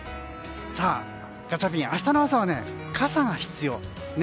ガチャピン、明日の朝は傘が必要。